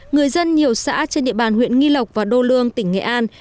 người dân nhiều xã trên địa bàn huyện nghi lộc và đô lương tỉnh nghệ an